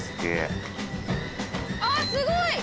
あぁすごい！